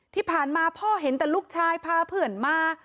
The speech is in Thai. ที่ผ่านมาพ่อเห็นแต่ลูกชายพาเพื่อนมา